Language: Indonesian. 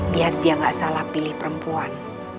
biar dia nggak salah pilih perempuan